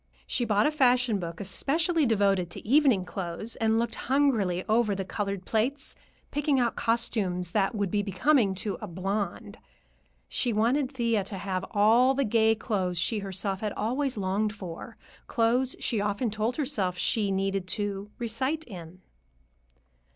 She bought a fashion book especially devoted to evening clothes and looked hungrily over the colored plates, picking out costumes that would be becoming to "a blonde." She wanted Thea to have all the gay clothes she herself had always longed for; clothes she often told herself she needed "to recite in."